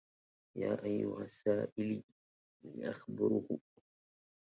يا أيها السائلي لأخبره